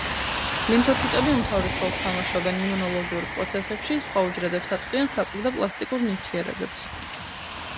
ლიმფოციტები უმთავრეს როლს თამაშობენ იმუნოლოგიურ პროცესებში, სხვა უჯრედებს აწვდიან საკვებ და პლასტიკურ ნივთიერებებს.